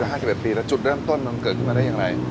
๕๑ปีแล้วจุดเริ่มต้นมันเกิดขึ้นมาได้อย่างไร